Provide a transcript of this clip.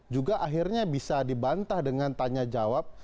juga akhirnya bisa dibantah dengan tanya jawab